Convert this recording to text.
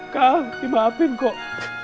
kal dimaafin kok